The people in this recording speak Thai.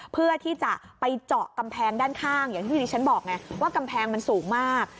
เพื่อที่จะไปเจาะกำแพงด้านข้างอย่างที่ดิฉันบอกไงว่ากำแพงมันสูงมาก